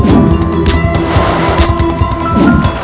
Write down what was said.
aku berdua unik